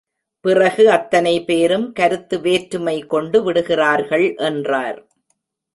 பிறகு, அத்தனை பேரும் கருத்து வேற்றுமை கொண்டு விடுகிறார்கள் என்றார்.